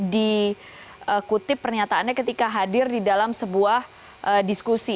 dikutip pernyataannya ketika hadir di dalam sebuah diskusi